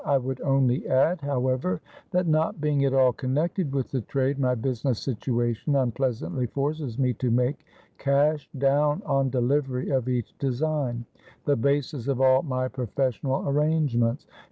I would only add, however, that not being at all connected with the Trade, my business situation unpleasantly forces me to make cash down on delivery of each design, the basis of all my professional arrangements.